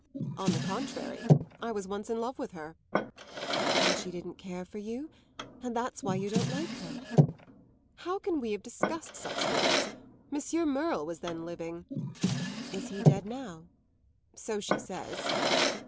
"On the contrary, I was once in love with her." "And she didn't care for you, and that's why you don't like her." "How can we have discussed such things? Monsieur Merle was then living." "Is he dead now?" "So she says."